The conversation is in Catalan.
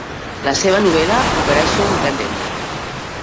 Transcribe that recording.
La seva novel·la "Operation Gadgetman"!